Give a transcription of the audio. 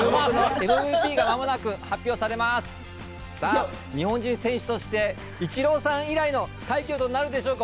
日本人選手としてイチローさん以来の快挙となるでしょうか？